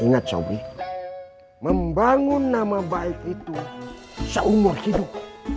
ingat shobi membangun nama baik itu seumur hidup